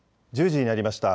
１０時になりました。